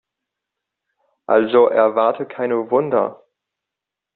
Also erwarte keine Wunder.